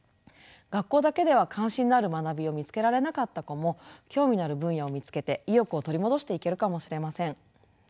学校だけでは関心のある学びを見つけられなかった子も興味のある分野を見つけて意欲を取り戻していけるかもしれません。